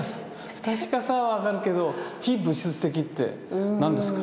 不確かさは分かるけど非物質的って何ですか？